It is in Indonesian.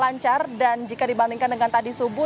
lancar dan jika dibandingkan dengan tadi subuh